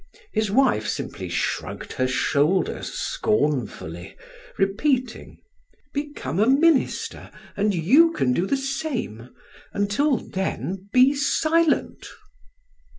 His wife simply shrugged her shoulders scornfully, repeating: "Become a minister and you can do the same; until then, be silent."